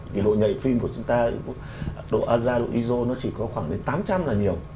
thì độ nhạy phim của chúng ta độ azar độ iso nó chỉ có khoảng đến tám trăm linh là nhiều